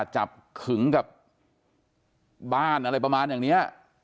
จับขึงกับบ้านอะไรประมาณอย่างนี้